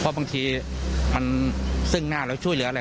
เพราะบางทีมันซึ่งหน้าเราช่วยเหลืออะไร